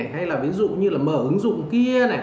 hay là ví dụ như là mở ứng dụng kia này